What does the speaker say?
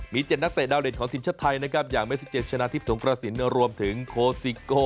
มี๗นักเตะดาวเด่นของทีมชาติไทยนะครับอย่างเมซิเจชนะทิพย์สงกระสินรวมถึงโคสิโก